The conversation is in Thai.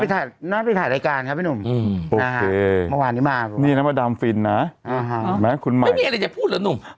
รุ่นเมย์ไปถ่ายรายการครับพี่หนุ่มโอเคมันวานนี้มานี่นะพระดามฟิลนะไม่มีอะไรจะพูดหรอหนุ่ม